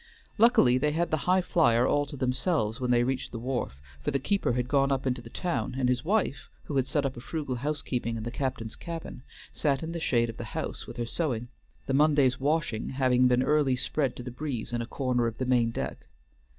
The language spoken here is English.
Luckily they had the Highflyer all to themselves when they reached the wharf, for the keeper had gone up into the town, and his wife, who had set up a frugal housekeeping in the captain's cabin, sat in the shade of the house with her sewing, the Monday's washing having been early spread to the breeze in a corner of the main deck.